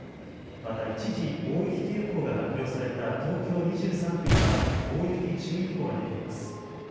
また一時、大雪警報が発表された東京２３区には大雪注意報が出ています。